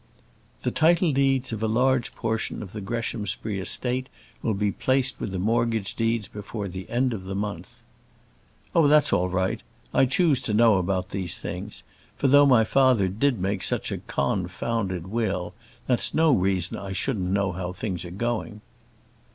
"The title deeds of a large portion of the Greshamsbury estate will be placed with the mortgage deeds before the end of next month." "Oh, that's all right. I choose to know about these things; for though my father did make such a con found ed will, that's no reason I shouldn't know how things are going."